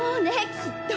きっと。